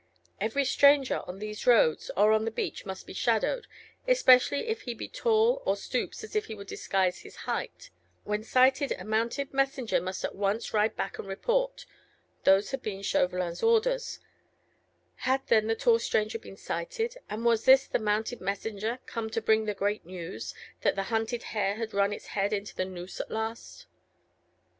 "Every stranger on these roads or on the beach must be shadowed, especially if he be tall or stoops as if he would disguise his height; when sighted a mounted messenger must at once ride back and report." Those had been Chauvelin's orders. Had then the tall stranger been sighted, and was this the mounted messenger, come to bring the great news, that the hunted hare had run its head into the noose at last?